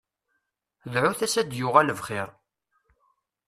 Dɛut-as ad d-yuɣal bxir.